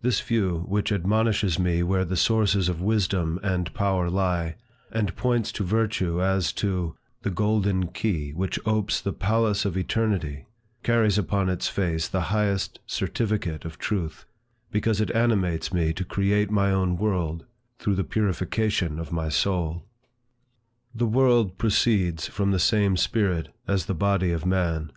This view, which admonishes me where the sources of wisdom and power lie, and points to virtue as to "The golden key Which opes the palace of eternity," carries upon its face the highest certificate of truth, because it animates me to create my own world through the purification of my soul. The world proceeds from the same spirit as the body of man.